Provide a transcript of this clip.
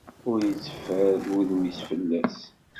Ur itteffer udem-is fell-as.